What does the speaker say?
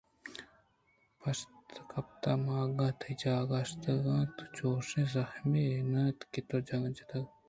پشت کپت من اگاں تئی جاگہ داشتگ اَت چوشیں زحمے نہ اَت کہ تو جتگ